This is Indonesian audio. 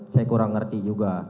saya kurang ngerti juga